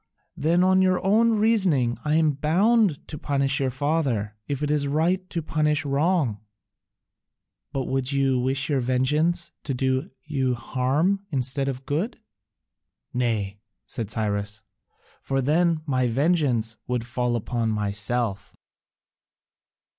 "Then on your own reasoning, I am bound to punish your father, if it is right to punish wrong." "But would you wish your vengeance to do you harm instead of good?" "Nay," said Cyrus, "for then my vengeance would fall upon myself."